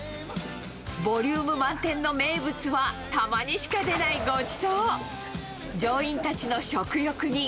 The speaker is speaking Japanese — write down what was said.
ボリューム満点の名物はたまにしか出ないごちそう。